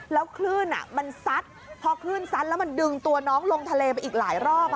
แล้วคลื่นมันซัดพอคลื่นซัดแล้วมันดึงตัวน้องลงทะเลไปอีกหลายรอบ